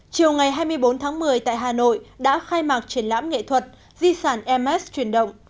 chiều ngày hai mươi bốn tháng một mươi tại hà nội đã khai mạc triển lãm nghệ thuật di sản ms truyền động